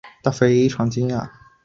清末毅军将领。